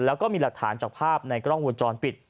แล้วก็มีหลักฐานจากภาพในกล้องวงจรปิด